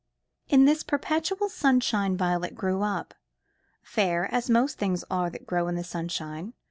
In this perpetual sunshine Violet grew up, fair as most things are that grow in the sunshine.